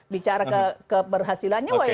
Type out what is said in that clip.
bicara keberhasilannya why not